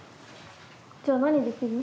じゃあ何できる？